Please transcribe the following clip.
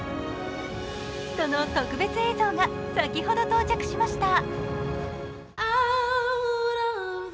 その特別映像が先ほど到着しました。